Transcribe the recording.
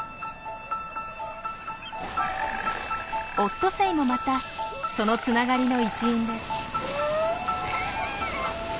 オットセイもまたそのつながりの一員です。